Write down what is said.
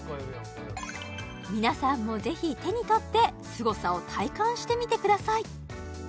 皆さんもぜひ手に取ってすごさを体感してみてください